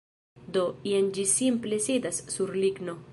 Do, jen ĝi simple sidas sur ligno